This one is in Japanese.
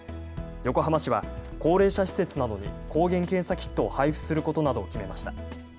横浜市は高齢者施設などに抗原検査キットを配布することなどを決めました。